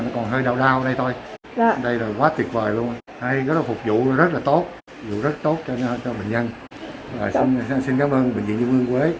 nó còn hơi đau đau ở đây thôi đây là quá tuyệt vời luôn phục vụ rất là tốt vụ rất tốt cho bệnh nhân